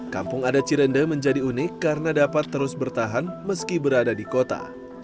kampung adat cirende menjadi unik karena dapat terus bertahan meski berada di kota